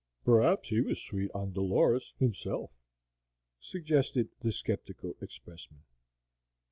"P'r'aps he was sweet on Dolores himself," suggested the sceptical expressman.